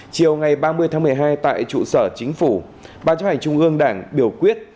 chiều ngày ba mươi tháng một mươi hai tại trụ sở chính phủ ban chấp hành trung ương đảng biểu quyết